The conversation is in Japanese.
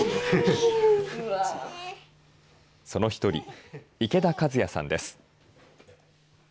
その一人、池田和也さんです。